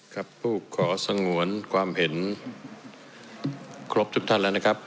ครับผู้ขอสงวนความเห็นครบทุกท่านแล้วนะครับ